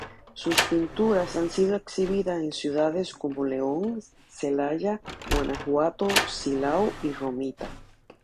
Sus pinturas han sido exhibidas en ciudades como León, Celaya, Guanajuato, Silao, y Romita.